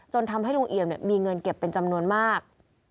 ทำให้ลุงเอี่ยมมีเงินเก็บเป็นจำนวนมาก